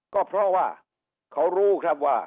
ก็เพราะว่าเขารู้ครับว่า